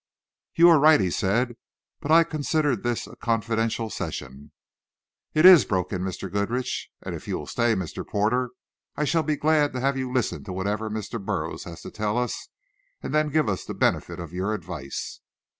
"You are right," he said; "but I considered this a confidential session." "It is," broke in Mr. Goodrich, "and if you will stay, Mr. Porter, I shall be glad to have you listen to whatever Mr. Burroughs has to tell us, and then give us the benefit of your advice."